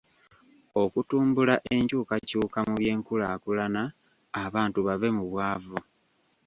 Okutumbula enkyukakyuka mu by'enkulaakulana abantu bave mu bwavu.